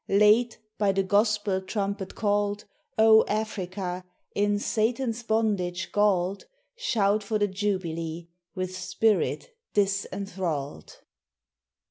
Late, by the Gospel trumpet called O Africa! in Satan's bondage galled, Shout for the Jubilee, with spirit disenthralled.